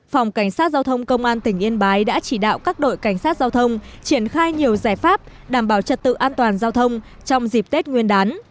phòng cảnh sát giao thông công an tỉnh yên bái đã chỉ đạo các đội cảnh sát giao thông triển khai nhiều giải pháp đảm bảo trật tự an toàn giao thông trong dịp tết nguyên đán